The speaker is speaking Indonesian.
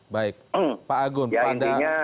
baik pak agun ya intinya